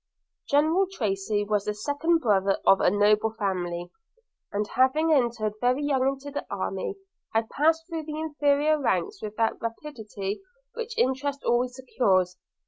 General Tracy was the second brother of a noble family; and, having entered very young into the army, had passed through the inferior ranks with that rapidity which interest always secures.